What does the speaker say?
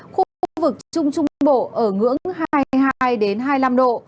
khu vực trung trung bộ ở ngưỡng hai mươi hai hai mươi năm độ